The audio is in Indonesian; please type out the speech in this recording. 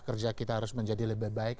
kerja kita harus menjadi lebih baik